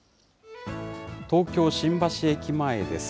東京・新橋駅前です。